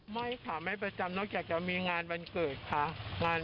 ไม่ค่ะไม่ประจำนอกจากจะมีงานวันเกิดค่ะ